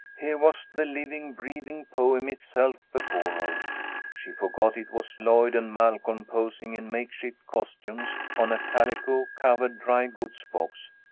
Here was the living, breathing poem itself before her. She forgot it was Lloyd and Malcolm posing in makeshift costumes on a calico covered dry goods box.